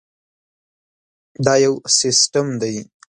دا یو سیسټم دی.